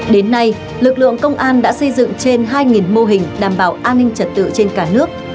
đến nay lực lượng công an đã xây dựng trên hai mô hình đảm bảo an ninh trật tự trên cả nước